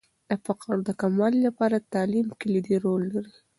د فقر د کموالي لپاره تعلیم کلیدي رول لري.